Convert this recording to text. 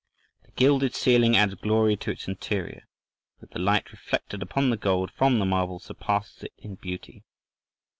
The gilded ceiling adds glory to its interior, though the light reflected upon the gold from the marble surpasses it in beauty.